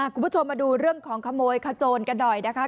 คุณผู้ชมมาดูเรื่องของขโมยขโจนกันหน่อยนะคะ